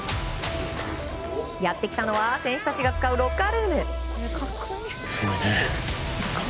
やってきたのは選手たちが使うロッカールーム。